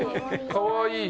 かわいい。